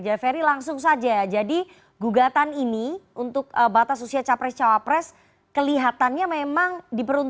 jaferi langsung saja ya jadi gugatan ini untuk batas usia capres cawapres kelihatannya memang diperlukan